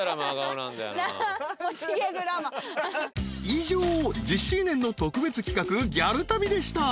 ［以上１０周年の特別企画ギャル旅でした］